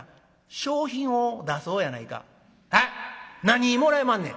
「へっ？何もらえまんねん？」。